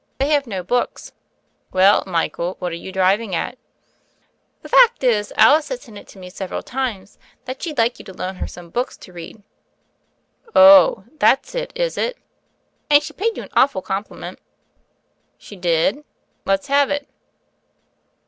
They have no books." "Well, Michael, what are you driving at?" "The fact is Alice has hinted to me several times that sheM like you to loan her some books to read." "Ohl That's it, is it?" "And she paid you an awful compliment." "She did? Let^s have it."